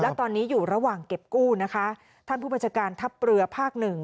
แล้วตอนนี้อยู่ระหว่างเก็บกู้นะคะท่านผู้บัญชาการทัพเรือภาคหนึ่ง